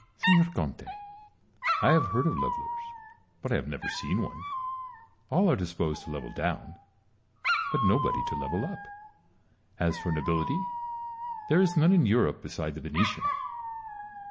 Signor Conte, I have heard of levellers, but I have never seen one: all are disposed to level down, but nobody to level up. As for nobility, there is none in Europe beside the Venetian.